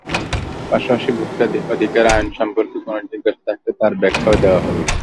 পাশাপাশি ভোক্তা অধিকার আইন সম্পর্কে কোনো জিজ্ঞাসা থাকলে তার ব্যাখ্যাও দেওয়া হবে।